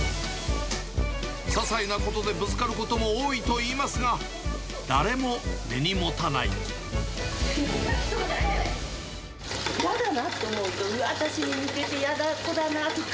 ささいなことでぶつかることも多いといいますが、嫌だなって思うと、うわー、私に似てて嫌な子だなとか。